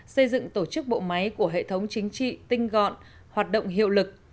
xây dựng tổ chức bộ máy của hệ thống chính trị tinh gọn hoạt động hiệu lực